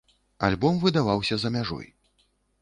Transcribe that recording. Альбом выдаваўся за мяжой.